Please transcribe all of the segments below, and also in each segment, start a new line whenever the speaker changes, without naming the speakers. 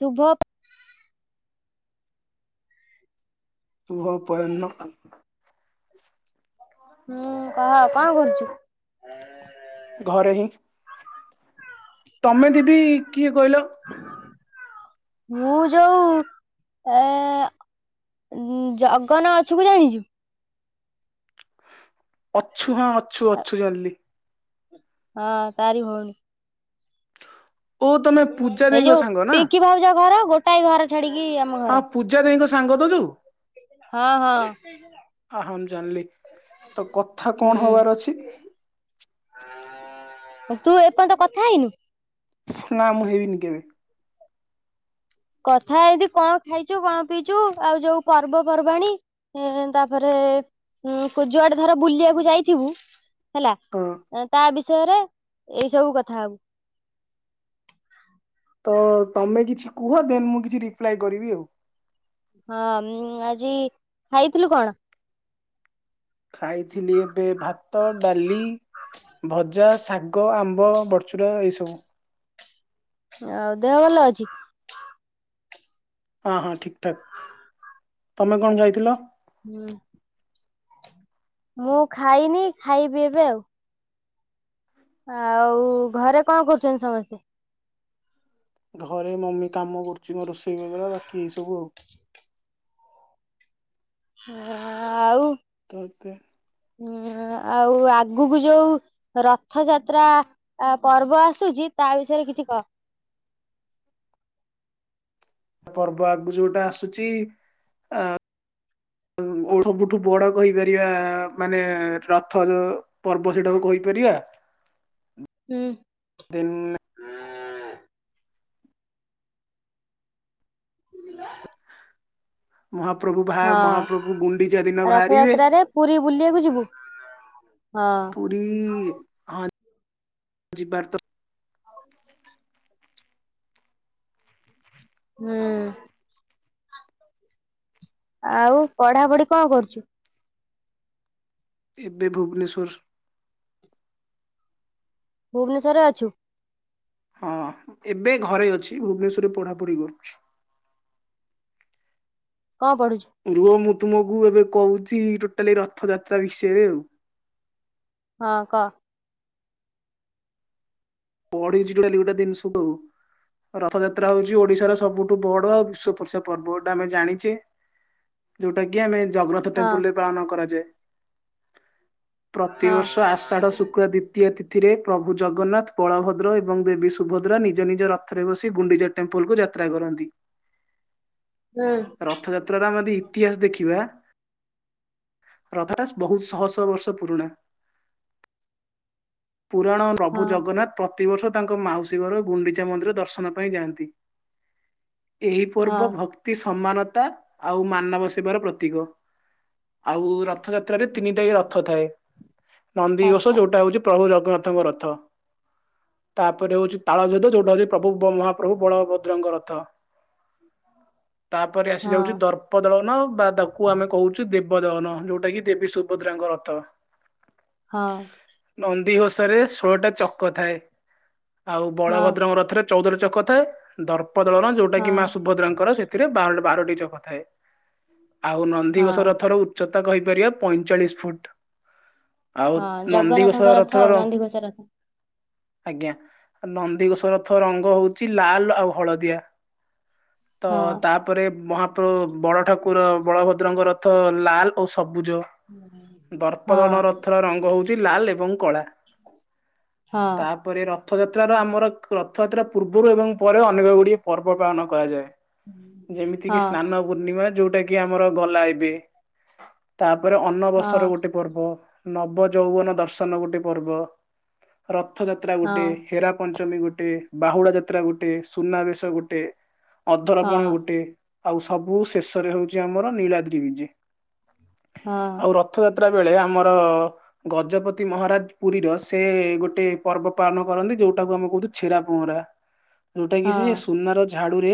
ଶୁଭ
[unintelligible]
ହୁଁ କହ କଣ କରୁଛୁ?
ଘରେ ହିଁ ତମେ ଦିଦି କିଏ କହିଲ?
ମୁଁ ଯୋଉ ଏଁ ଜଗନ ଅଛୁ କୁ ଜାଣିଚୁ?
ଅଛୁ ହଁ ଅଛୁ ଅଛୁ ଜାଣିଲି।
ହଁ ତାରି ଭଉଣୀ।
ଓ ତମେ ପୂଜା
ଏଇ
ଦେଇଙ୍କ
ଯୋଉ
ସାଙ୍ଗ ନା?
ପିଙ୍କି ଭାଉଜ ଘର ଗୋଟାଏ ଘର ଛାଡିକି ଆମ
ହଁ
ଘର।
ପୂଜା ଦେଇଙ୍କ ସାଙ୍ଗ ତ ଯୋଉ
ହଁ ହଁ
ଅହ ମୁ ଜାଣିଲି। ତ କଥା କଣ
ହୁଁ
ହବାର ଅଛି
ତୁ ଏପନ୍ତ କଥା ହେଇନୁ?
ନା ମୁଁ ହେଇନି କେବେ।
କଥା ହେଇଚି କଣ ଖାଇଚୁ କଣ ପିଇଚୁ ଆଉ ଯୋଉ ପର୍ବପର୍ବାଣୀ ଏ ତାପରେ ଉଁ ଯୁଆଡେ ଧର ବୁଲିଆକୁ ଯାଇଥିବୁ ହେଲା
ହଁ।
ତା ବିଷୟରେ ଏଇ ସବୁ କଥା ହବୁ।
ତ ତମେ କିଛି କୁହ ଦେନ୍ ମୁଁ କିଛି ରିପ୍ଲାଏ କରିବି ଉ।
ହଁ ମୁଁ ଆଜି ଖାଇଥିଲୁ କଣ?
ଖାଇଥିଲି ଏବେ ଭାତ ଡାଲି ଭ ଜା ଶାଗ ଆମ୍ବ ବଡ଼୍ ଚୁରା ଏଇସବୁ।
ଆ ଦେହ ଭଲ ଅଛି?
ଅ ହଁ ଠିକ୍ ଠାକ୍ ତମେ କଣ ଯାଇଥିଲ?
ହୁଁ। ମୁଁ ଖାଇନି ଖାଇବି ଏବେ ଉ। ଆଉ ଘରେ କଣ କରୁଚନ୍ତି ସମସ୍ତେ?
ଘରେ ମମି କାମ କରୁଛି ମୋ ରୋଷେଇ [inaudible] ବଗଲା ବାକି ଏଇ ସବୁ ଆଉ।
ହ [unintelligible] ଆଉ
ତତେ
ଆଉ ଆଗୁକୁ ଯୋଉ ରଥଯାତ୍ରା ଆ ପର୍ବ ଆସୁଚି ତା ବିଷୟରେ କିଛି କ
ପର୍ବ ଆଗୁ ଯୋଉଟା ଆସୁଛି ଆ ଓଢ ଫୁଟୁ ବଡ କହିପାରିଆ ମାନେ ରଥ ଯୋ ପର୍ବ ସେଟାକୁ କହିପାରିଆ।
ହୁଁ।
ଦେନ୍
ହ [unintelligible]
ମହାପ୍ରଭୁ ଭା ମହାପ୍ରଭୁ ଗୁଣ୍ଡିଚା ଦିନ ବାହାରିବେ।
ରଥଯାତ୍ରାରେ ପୁରୀ ବୁଲିବାକୁ ଯିବୁ [unintelligible] ହଁ।
ପୀ ହ ଯିବା ତ।
[inaudible] ହୁଁ। ଆଉ ପଢା ପଢି କଣ କରୁଛୁ?
ଏବେ ଭୁବନେଶ୍ୱର।
ଭୁବନେଶ୍ୱରରେ ଅଛୁ।
ହଁ ଏବେ ଘରେ ଅଛି ଭୁବନେଶ୍ଵରରେ ପଢା ପଢି କରୁଛି।
କଣ ପଢୁଛୁ?
ରୁହ ମୁଁ ତୁମକୁ ଏବେ କହୁଛି ଟୋଟାଲି ରଥଯାତ୍ରା ବିଷୟରେ ଆଉ।
ହଁ କହ।
ପଢଛିଡେଲି ଗୋଟେ ଜିନିଷ ସବୁ। ରଥଯାତ୍ରା ହଉଛି ଓଡିଶାର ସବୁଠୁ ବଡ ଆଉ ବିଶ୍ୱ ପ୍ରସିଦ୍ଧ ପର୍ବ ଏଟା ଆମେ ଜାଣିଛେ। ଯୋଉଟା କି ଆମେ ଜଗରତ
ହଁ
ଟେମ୍ପୁଲରେ ପାଳନ କରାଯାଏ [unintelligible]
ହଁ
ପ୍ରତିବର୍ଷ ଆଷାଢ ଶୁକ୍ଳ ତୀ ଦ୍ିତୀୟ ତିଥିରେ ପ୍ରଭୁ ଜଗନ୍ନାଥ ବଳଭଦ୍ର ଏବଂ ଦେବୀ ସୁଭଦ୍ରା ନିଜ ନିଜ ରଥରେ ବସି ଗୁଣ୍ଡିଚା ଟେମ୍ପଲ କୁ ଯାତ୍ରା କରନ୍ତି। [inaudible]
ହୁଁ।
ରଥଯାତ୍ରାରେ ଆମେ ଇତିହାସ ଦେଖିବା। [unintelligible] ବହୁତ ଶହ ଶହ ବର୍ଷ ପୁରୁଣା। ପୁରାଣ ପ୍ରଭୁ
ହଁ
ଜଗନ୍ନାଥ ପ୍ରତିବର୍ଷ ତାଙ୍କ ମାଉସୀ ଘର ଗୁଣ୍ଡିଚା ମନ୍ଦିର ଦର୍ଶନ ପାଇଁ ଯାଆନ୍ତି। ଏହି
ହଁ
ପର୍ବ ଭ ଅତି ସମାନତା ଆଉ ମାନବ ସେବାର ପ୍ରତୀକ ଆଉ ର ରଥଯାତ୍ରାରେ ତିନିଟା ରଥ ଥାଏ
ଆଚ୍ଛା
ନନ୍ଦିଘୋଷ ଯୋଉଟା ହଉଛି ପ୍ରଭୁ ଜଗନ୍ନାଥଙ୍କ ରଥ। ତାପରେ ହଉଛି ତାଳଧ୍ୱଜ ଯୋଉଟା ହେଉଛି ପ୍ରଭୁ ମହାପ୍ରଭୁ ବଳଭଦ୍ରଙ୍କ ରଥ। ତାପରେ ଆସି
ହଁ
ଯାଉଛି ଦର ଦପଦଳନ ବା ତାକୁ ଆମେ କହୁଛୁ ଦେବଦଳନ ଯୋଉଟା କିି ଦେବୀ ସୁଭଦ୍ରାଙ୍କ ରଥ।
ହଁ।
ନନ୍ଦିଘୋଷ ରେ ଷୋଳଟା ଚକ ଥାଏ ଆଉ
ହଁ
ବଳଭଦ୍ରଙ୍କ ରଥରେ ଚଉଦ ଟା ଚକ ଥାଏ ଦର୍ପ ଦଳର ଯୋଉଟା କି
ହଁ
ମା ସୁଭଦ୍ରାଙ୍କର ସେ ଏଥିରେ ବାର ବାରଟି ଚକ ଥାଏ ଆଉ
ହଁ
ନନ୍ଦିଘୋଷରଥରୁ ଉଚ୍ଚତା କହିପାରିବା ପଇଚାଳିଶ ଫୁଟ ଆଉ
ହଁ
ନଦ୍ଧିଘସ
ଜଗନ୍ନାଥଙ୍କ
ର
ରଥ ଆଉ
ରଥର
ନନ୍ଦିଘୋଷ ରଥ।
ଆଜ୍ଞା ନନ୍ଦିଘୋଷ ରଥ ରଙ୍ଗ ହଉଛି ଲାଲ ଆଉ ହଳଦିଆ। [unintelligible] ତ
ହଁ
ତା ତାପରେ ମହାପ୍ର ବଳ ଠାକୁର ବଳଭଦ୍ରଙ୍କ ରଥ ଲାଲ ଓ ସବୁଜ।
ହଁ
ଦର୍ପଦଳନ ରଥର ରଙ୍ଗ ହଉଛି ଲାଲ ଏବଂ କଳା।
ହଁ
ତା ତାପରେ ରଥଯାତ୍ରାର ଆମର ରଥଯାତ୍ରା ପୂର୍ବରୁ ଏବଂ ପରେ ଅନେକ ଗୁଡିଏ ପର୍ବ ପାଳନ କରାଯାଏ। ଯେମିତି କିି ସ୍ନାନ ପୂର୍ଣ୍ଣିମା ଯୋଉଟା କି ଆମର ଗଲା ଏବେ ତାପରେ
ହଁ
ଅନନବସର ଗୋଟେ ପର୍ବ ନବ ଯୌବନ ଦର୍ଶନ ଗୋଟେ ପର୍ବ ରଥ ଯାତ୍ରା ଗୋଟେ
ହଁ
ହେରା ପଞ୍ଚମୀ ଗୋଟେ ବାହୁଳା ଯାତ୍ରା ଗୋଟେ ସୁନାବେେଶ ଗୋଟେ
ହଁ
ଅଧରପଣା ଗୋଟେ ଆଉ ସବୁ ଶେଷରେ ହଉଛି ଆମର ନୀଳାଦ୍ରି ବିଜେ।
ହଁ
ଆଉ ରଥଯାତ୍ରା ବେଳେ ଆମର ଗଜପତି ମହାରାଜ ପୁରୀର ସେ ଗୋଟେ ପର୍ବ ପାଳନ କରନ୍ତି ଯୋଉଟାକୁ ଆମେ କହୁଛୁ ଛେରା ପହଁରା ଯୋଉଟା କିଛି ସୁନାର ଝାଡୁରେ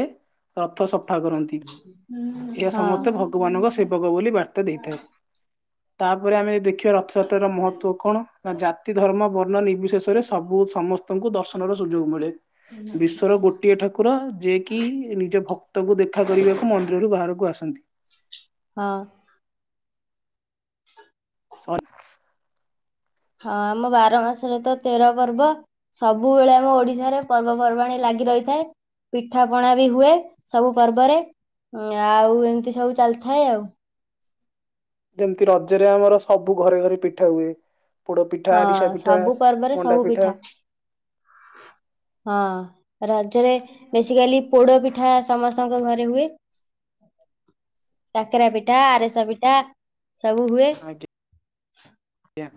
ରଥ ସଫା କରନ୍ତି ଏହା
ହଁ
ସମସ୍ତେ ଭଗବାନଙ୍କ ସେବକ ବୋଲି ବା ତ ଦେଇଥାଏ ତାପରେ ଆମେ ଯ ଦେଖିବା ରଥଯାତ୍ରାର ମହତ୍ଵ କଣ ନା ଜା ତି ଧର୍ମ ବର୍ଣ୍ଣ ନିର୍ବିଶେଷରେ ସବୁ ସମସ୍ତଙ୍କୁ ଦର୍ଶନର ସୁଯୋଗ ମିଳେ ବିଶ୍ଵର ଗୋଟିଏ ଠାକୁ କୁର ଯିଏ କିି ନିଜ ଭକ୍ତଙ୍କୁ ଦେଖା କରିବାକୁ ମନ୍ଦିରରୁ ବାହାରକୁ ଆସନ୍ତି
ହଁ
ସ [unintelligible]
ହଁ ଆମ ବାର ମାସରେ ତ ତେର ପର୍ବ ସବୁବେଳେ ଆମ ଓଡିଶାରେ ପର୍ବପର୍ବାଣିୀ ଲାଗି ରହିଥାଏ। ପିଠା ପଣା ବି ହୁଏ ସବୁ ପର୍ବରେ ଆଉ ଏମିତି ସବୁ ଚାଲିଥାଏ ଆଉ
ଯେମିତି ରଜରେ ଆମର ସବୁ ଘରେ ଘରେ ପିଠା ହୁଏ ପୋଡ ପିଠା
ହଁ
ଆରିସା ପିଠା
ସବୁ
ମଣ୍ଡା ପିଠା
ହଁ ହଁ ରଜରେ ବେସିକାଲି ପୋଡ ପିଠା ସମସ୍ତଙ୍କ ଘରେ ହୁଏ
[inaudible]
କାକେରା ପିଠା ଆରେସା ପିଠା ସବୁ ହୁଏ
ଆଜ୍ଞା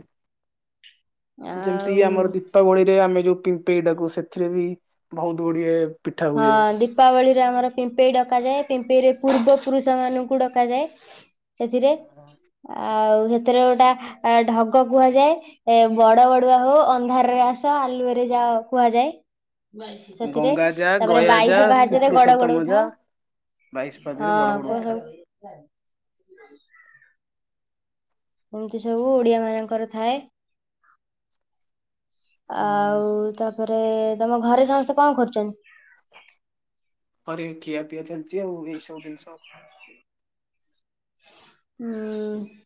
ଯେମିତି ଆମର
ଆଉ
ଦୀପାବଳିରେ ଆମେ ଯୋଉ ପିମ୍ପେଇଟାକୁ ସେଥିରେ ବି ବହୁତ ଗୁଡିଏ ପିଠା
ହଁ
ହୁଏ।
ଦୀପ ପାବଳି ରେ ଆମର ପିମ୍ପେଇ ଡକାଯାଏ ପିମ୍ପେଇ ରେ ପୂର୍ବ ପୁରୁଷ ମାନଙ୍କୁ ଡକାଯାଏ। ସେଥିରେ ଆଉ ସେଥିରେ ଗୋଟା ଢଗ କୁହାଯାଏ। ଏ ବଡ ବଡୁଆ ହୋ ଅନ୍ଧାରରେ ଆସ ଆଲୁରେ ଯାଅ କୁହାଯାଏ। ସେତିରେ
ଗଙ୍ଗା ଯା
ତାପରେ
ଗୟା ଯା
ବାଇଶ ପାହାଚରେ ଗଡ
ଶ୍ରୀପୁରୁଷୋତ୍ତମ ଯା
ଗୋଡଉଥାଉ
ବାଇଶ
ହଁ
ପାହାଚରେ ବଡ ବଡ
କ
ଉଠା।
ସବୁ ଏମିତି ସବୁ ଓଡ଼ିଆ ମାନଙ୍କର ଥାଏ
ହଁ
ଆଉ ତାପରେ ତମ ଘରେ ସମସ୍ତେ କଣ କରୁଛନ୍ତି।
ହରେ ଖିଆ ପିଆ ଚାଲିଛି ଆଉ ଏଇ ସବୁ ଜିନିଷ
ହଁ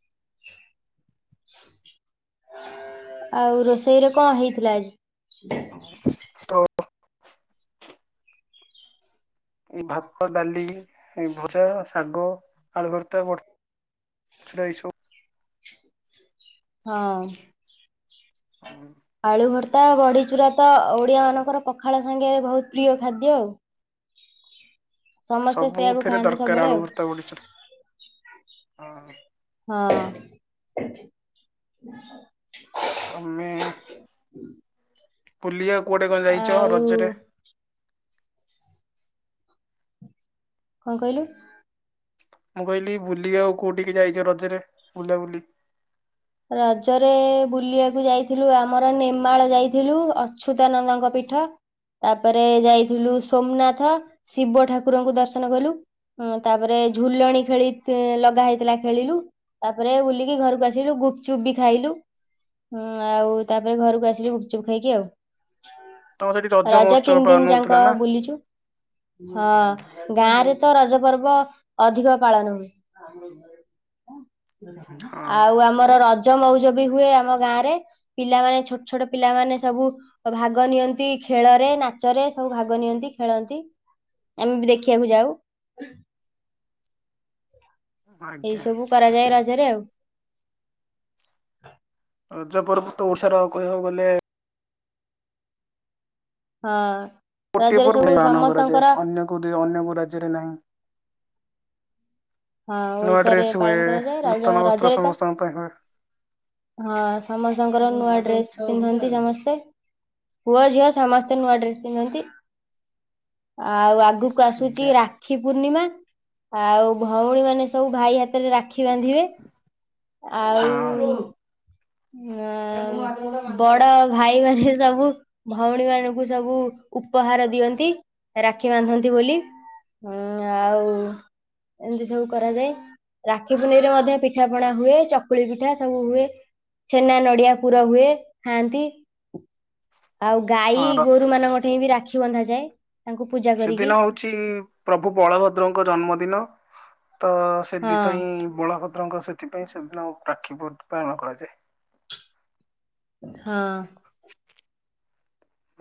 ଆଉ ରୋଷେଇରେ କଣ ହେଇଥିଲା ଆଜି?
ହଉ ଏ ଭାତ ଡାଲି ଏ ଭଜା ଶାଗ ଆଳୁ ଭର ତ ବ ଛ ଏଇ ସବୁ
ହଁ
ହଁ
ଆଳୁ ଭର୍ତ୍ତା ବଢିଚୁରା ତ ଓଡ଼ିଆ ମାନଙ୍କର ପଖାଳ ସାଙ୍ଗେରେ ବହୁତ ପ୍ରିୟ ଖାଦ୍ୟ ଆଉ ସମସ୍ତେ ସେଇଆକୁ
ସବୁଥିରେ
ଖାଆନ୍ତି
ଦରକାର
ସବୁବେଳେ
ଆଳୁ
ଆଉ
ଭର୍ତ୍ତା ବଡିଚୁରା। ହଁ
ହଁ
ତମେ ପୁଲିଆ କୁଆଡେ କଣ ଯାଇଛ
ଆଉ
ରଜରେ
କଣ କହିଲୁ?
ମୁଁ କହିଲି ବୁଲିି ଆଉ କୋଉଠିକି ଯାଇଛ ରଜରେ ବୁଲାବୁଲି?
ରଜରେ ବୁଲିବାକୁ ଯାଇଥିଲୁ ଆମର ନେମାଳ ଯାଇଥିଲୁ ଅଚ୍ୟୁତାନନ୍ଦଙ୍କ ପୀଠ। ତାପରେ ଯାଇଥିଲୁ ସୋମନାଥ ଶିବ ଠାକୁରଙ୍କୁ ଦର୍ଶନ କଲୁ। ହଁ ତାପରେ ଝୁଲଣି ଖେଳି ଲଗା ହେଇଥିଲା ଖେଳିଲୁ। ତାପରେ ବୁଲିକି ଘରକୁ ଆସିଲୁ ଗୁ ଗୁପଚୁପ୍ ବି ଖାଇଲୁ ଆଉ ତାପରେ ଘରକୁ ଆସିଲୁ ଗୁପଚୁପ୍ ଖାଇକି ଆଉ।
ତମ ସେଠି
ରଜ
ମହୋତ୍ସବ
ତିନି
ପାଳନ
ଦିନ
ହଉଥିଲା
ଯାକ
ନା
ବୁଲିଛୁ। ହଁ ଗାଁ ରେ ତ ରଜ ପର୍ବ ଅଧିକ ପାଳନ ହୁଏ।
ହଁ
ଆଉ ଆମର ରଜ ମଉଜ ବି ହୁଏ ଆମ ଗାଁ ରେ। ପିଲାମାନେେ ଛୋଟ ଛୋଟ ପିଲାମାନେ ସବୁ। ଭାଗ ନିଅନ୍ତି ଖେଳରେ ନାଚରେ ସବୁ ଭାଗ ନିଅନ୍ତି ଖେଳନ୍ତି। ଆମେ ବି ଦେଖିବାକୁ ଯାଉ। ଏଇ
ଆଜ୍ଞା।
ସବୁ କରାଯାଏ ରଜରେ ଆଉ।
ରଜ ପର୍ବ ତ ଓଡିଶାର କହିବାକୁ ଗଲେ।
ହଁ ରଜରେ ସବୁ ସମସ୍ତଙ୍କର।
ମୁଁ ଅନ୍ୟବ ରାଜ୍ୟରେ ନାହିଁ।
ହଁ
ନୂଆ
ଓଡିଶାରେ
ଡ୍ରେସ୍ ହୁଏ
ପାଳନ କରାଯାଏ ରଜ
ନୂତନ ବସ୍ତ୍ର
ରଜରେ ତ
ସମସ୍ତଙ୍କ ପାଇଁ ହୁଏ।
ହଁ ସମସ୍ତଙ୍କର ନୂଆ ଡ୍ରେସ ପିନ୍ଧନ୍ତି ସମସ୍ତେ। ପୁଅ ଝିଅ ସମସ୍ତେ ନୂଆ ଡ୍ରେସ୍ ପିନ୍ଧନ୍ତି ଆଉ ଆଗକୁ ଆସୁଛି
ଆଜ୍ଞା
ରାକ୍ଷୀ ରାକ୍ଷୀ ପୂର୍ଣ୍ଣିମା ଆଉ ଭଉଣୀ ମାନେ ସବୁ ଭାଇ ହାତରେ ରାକ୍ଷୀ ବାନ୍ଧିବେ
[inaudible]
ଆଉ।
ହଁ।
ହ ବଡ ଭାଇମାନେ ସବୁ। ଭଉଣୀ ମାନଙ୍କୁ ସବୁ ଉପହାର ଦିଅନ୍ତି ରାକ୍ଷୀ ବାନ୍ଧନ୍ତି ବୋଲି। ହୁଁ ଆଉ। ଏମିତି ସବୁ କରାଯାଏ ରାକ୍ଷୀ ପୁନୀରେ ମଧ୍ୟ ପିଠା ପଣା ହୁଏ ଚକୁଳି ପିଠା ସବୁ ହୁଏ। ଛେନା ନଡିଆ ପୁର ହୁଏ ଖାଆନ୍ତି ଆଉ। ଗାଈ
ହଁ ରଥ
ଗୋରୁ ମାନଙ୍କ ଠାଇ ବି ରାକ୍ଷୀ ବନ୍ଧାଯାଏ ତାଙ୍କୁ ପୂଜା। କରିକି
ସେଦିନ ହଉଛି ପ୍ରଭୁ ବଳଭଦ୍ରଙ୍କ ଜନ୍ମଦିନ ତ
ହଁ
ସେଥିପାଇଁ ବଳଭଦ୍ରଙ୍କ ସେଥିପାଇଁ ସେଦିନ ରାକ୍ଷୀ ପାଳନ କରାଯାଏ।
ହଁ।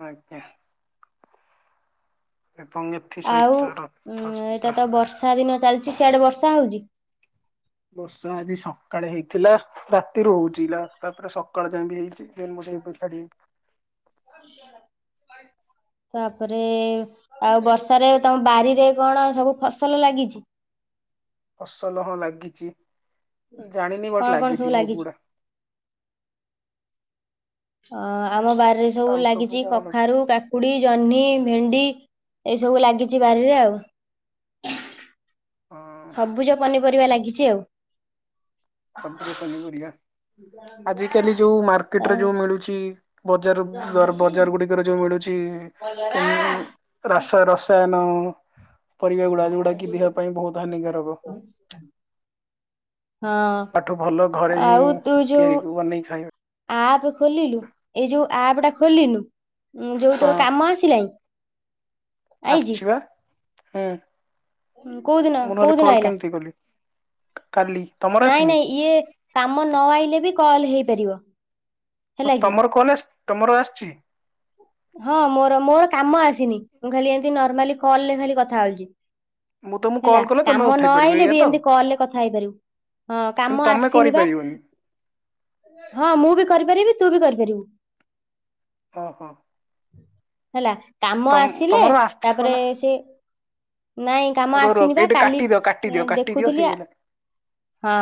ଆଜ୍ଞା। [unintelligible]
ଆଉ ଏଇଟା
ରଥଯାତ୍ରା।
ତ ବର୍ଷା ଦିନ ଚାଲିଛି ସିଆଡେ ବର୍ଷା ହଉଛି।
ବର୍ଷା ଆଜି ସକାଳେ ହେଇଥିଲା ରାତିରୁ ହଉଛି ତାପରେ ସକାଳ ଯାଏ ବି ହେଇଛି। [unintelligible]
ତାପରେ। ଆଉ ବର୍ଷାରେ ତମ ବାରିରେ କଣ ସବୁ ଫସଲ ଲାଗିଛି।
ଫସଲ ହଁ ଲାଗିଛି ଜାଣିନି
କଣ
ବଟ୍
କଣ ସବୁ
ଲାଗିଛି ବହୁତ ଗୁଡା।
ଆମ ବାରିରେ ସବୁ
ଆଉ
ଲାଗିଛି
କଣ
କଖାରୁ କାକୁଡି କୁକୁଡ଼ି ଜହ୍ନି ଭେଣ୍ଡି ଏସବୁ ଲାଗିଛି ବାରିରେ ଆଉ।
ହଁ
ସବୁଜ ପନିପରିବା ଲାଗିଛି ଆଉ।
ସବୁଜ ପନିପରିବା। ଆଜି କାଲି ଯୋଉ ମାର୍କେଟରେ ଯୋଉ ମିଳୁଛି ବଜାର ବଜାର ଗୁଡିକ। ଯୋଉ ମିଳୁଛି କେମି ରସାୟନ। ପରିବା ଗୁଡାକଯୋଉଡା କି ଦେହ ପାଇଁ ବହୁତ ହାନିକାରକ ତାଠୁ ଭଲ ଘରେ
ହଁ
ହିଁ
ଆଉ ତୁ ଯୋଉ
ତିଆରି ବନେଇକି ଖାଇବେ
ଆପ ଖୋଲିଲୁ ଏଇ ଯୋଉ ଆପ୍ ଟା ଖୋଲିଲୁ ଯୋଉ
ହଁ
ତୋର କାମ ଆସିଲାଣି ଆଇଛି
ଆସିଛି ବା ହୁଁ
ହୁଁ କୋଉ ଦିନ
ମୁଁ
କୋଉ
ନହେଲେ
ଦିନ
କଲ୍
ଆଇଲା
କେମିତି କଲି କାଲି ତମର
ନାଇଁ
ଆସିନି
ନାଇଁ ଇଏ କାମ ନ ଆଇଲେ ବି କଲ ହେଇପାରିବ
ଓ
ହେଲା କି?
ତମର କଲ ଆସି ତମର ଆସିଛି
ହଁ ମୋର ମୋର କାମ ଆସିନି ମୁଁ ଖାଲି ଏମିତି ନର୍ମାଲି କଲରେ ଖାଲି କଥା ହଉଛି
ମୁଁ ତମକୁ
ହେଲା
କଲ୍ କଲେ ତମେ
କାମ
ଉଠେଇ
ନ
ପାରିବ
ଆଇଲେ
ଏଇଆ
ବି
ତ
ଏମିତି କଲରେ କଥା ହେଇପାରିବୁ ହଁ
କିନ୍ତୁ
କାମ
ତମେ
ଆସିନି ବା
କରିପାରିବନି
ହଁ ମୁଁ ବି କରିପାରିବି ତୁ ବି କରିପାରିବୁ
ହଁ ହଁ
ହେଲା କାମ ଆସିଲେ
ତମର ଆସିଥିବ
ତାପରେ
ନା
ସେ ନାଇଁ କାମ
ରୋ ରୋ
ଆସିନି ବା
ଏଇଠି
କାଲି
କାଟିଦିଅ କାଟିଦିଅ କାଟିଦିଅ
ଦେଖୁଥିଲି
ହେଇଗଲା।
ହଁ